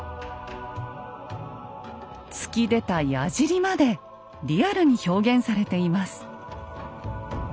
突き出た矢じりまでリアルに表現されています。